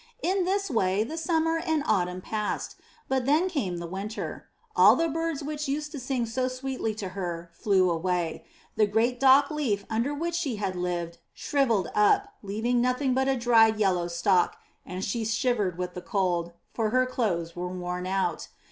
In this way the summer and autumn passed, but then came the winter. All the birds which used to sing so sweetly to her flew away; the great dock leaf under which she had lived shrivelled up leaving nothing but a dried yellow stalk, and she shivered with the cold, for her clothes were worn out.